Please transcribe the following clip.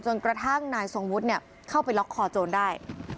จนกระทั่งนายทรงพุธเนี่ยเข้าไปล็อกคอโจรได้